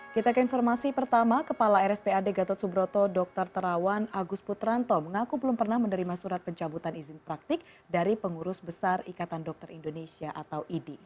kita ke informasi pertama kepala rspad gatot subroto dr terawan agus putranto mengaku belum pernah menerima surat pencabutan izin praktik dari pengurus besar ikatan dokter indonesia atau idi